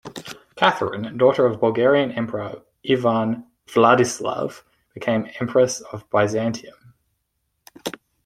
Catherine, daughter of Bulgarian Emperor Ivan Vladislav, became empress of Byzantium.